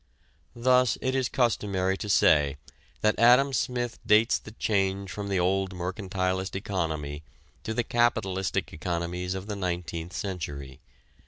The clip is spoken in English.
Thus it is customary to say that Adam Smith dates the change from the old mercantilist economy to the capitalistic economics of the nineteenth century.